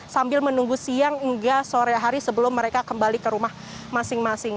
sambil menunggu siang hingga sore hari sebelum mereka kembali ke rumah masing masing